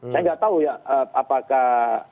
saya nggak tahu ya apakah